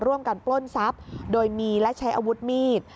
ปล้นทรัพย์โดยมีและใช้อาวุธมีด